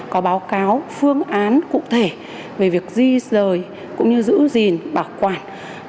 có báo cáo phương án cụ thể về việc di rời cũng như giữ gìn bảo quản